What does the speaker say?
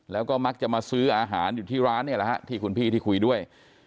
แล้วก็มักจะมาซื้ออาหารอยู่ที่ร้านเนี่ยแหละฮะที่คุณพี่ที่คุยด้วย